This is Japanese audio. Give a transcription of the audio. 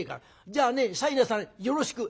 じゃあね西念さんによろしく」。